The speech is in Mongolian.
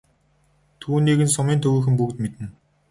Түүнийг нь сумын төвийнхөн бүгд мэднэ.